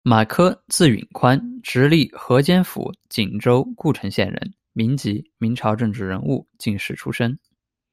马薖，字允宽，直隶河间府景州故城县人，民籍，明朝政治人物、进士出身。